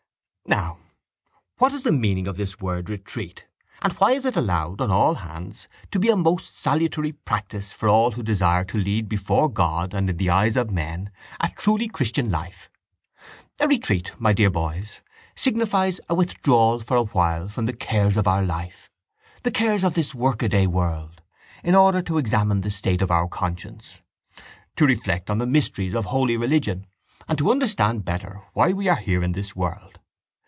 —Now what is the meaning of this word retreat and why is it allowed on all hands to be a most salutary practice for all who desire to lead before God and in the eyes of men a truly christian life? A retreat, my dear boys, signifies a withdrawal for a while from the cares of our life, the cares of this workaday world, in order to examine the state of our conscience, to reflect on the mysteries of holy religion and to understand better why we are here in this world.